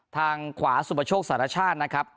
ทางขวาสุมประโชคศาสนชาญนะครับ